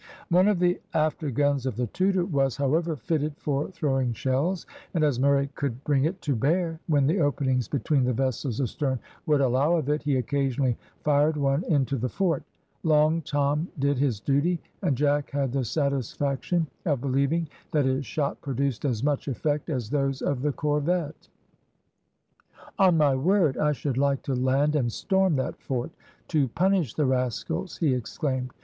One of the after guns of the Tudor, was, however, fitted for throwing shells, and as Murray could bring it to bear, when the openings between the vessels astern would allow of it, he occasionally fired one into the fort. Long Tom did his duty, and Jack had the satisfaction of believing that his shot produced as much effect as those of the corvette. "On my word I should like to land and storm that fort, to punish the rascals," he exclaimed.